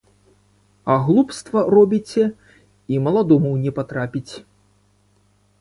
А глупства робіце, і маладому не патрапіць.